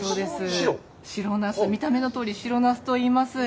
白ナス見た目のとおり、白ナスといいます。